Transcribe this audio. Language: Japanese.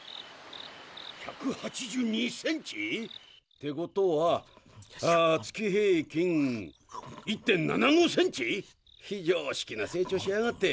１８２ｃｍ⁉ってことは月平均１．７５ｃｍ⁉非常識な成長しやがって。